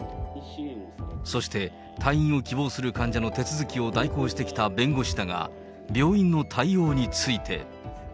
そして、退院を希望する患者の手続きを代行してきた弁護士だが、病院の対応について。